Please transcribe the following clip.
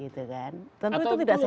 tentu itu tidak sehat